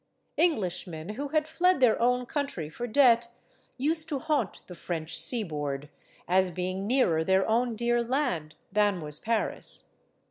English men who had fled their own country for debt used to haunt the French seaboard, as being nearer their own dear land than was Paris.